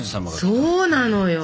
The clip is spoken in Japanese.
そうなのよ。